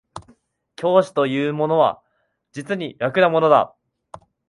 教師というものは実に楽なものだ